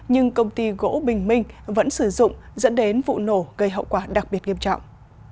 nhưng công ty gỗ bình minh vẫn sử dụng dẫn đến vụ nổ gây hậu quả đặc biệt nghiêm trọng